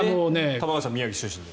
玉川さんは宮城出身で。